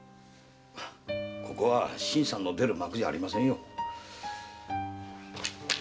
ここは新さんの出る幕じゃありませんよ。